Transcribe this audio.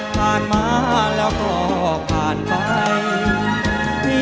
ผ่านมาแล้วก็ผ่านไป